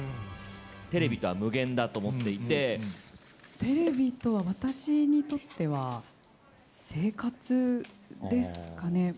テレビとは無限だと思っていテレビとは、私にとっては、生活ですかね。